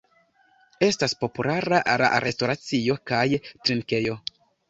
Estas populara la restoracio kaj drinkejo.